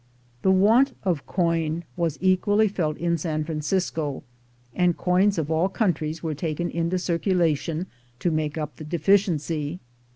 The want of coin was equally felt in San Francisco, and coins of all countries were taken into circulation to make up the deficiency.